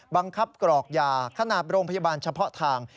บังคับกรอกยาขนาดโรงพยาบาลเฉพาะทาง